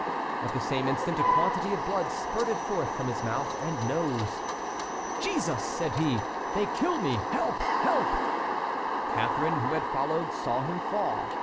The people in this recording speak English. At the same instant a quantity of blood spurted forth from his mouth and nose. "Jesus!" said he. "They kill me! Help! help!" Catharine, who had followed, saw him fall.